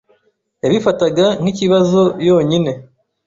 yabifataga nk’ikibazo yonyine